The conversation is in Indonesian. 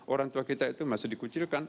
orang tua kita itu masih dikucilkan